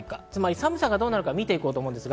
寒さがどうなるか見ていきます。